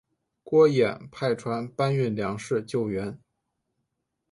郭衍派船搬运粮食救援。